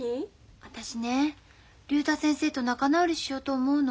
私ね竜太先生と仲直りしようと思うの。